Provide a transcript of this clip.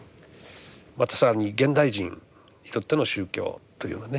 また更に現代人にとっての宗教というようなね